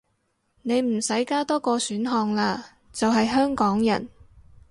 你唔使加多個選項喇，就係香港人